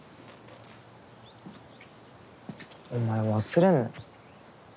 お前忘れんな。